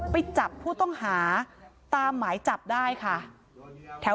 ไปจับผู้ต้องหาตามหมายจับได้ค่ะ